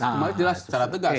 kita jelas cara tegas